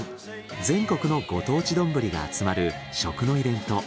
全国のご当地丼が集まる食のイベント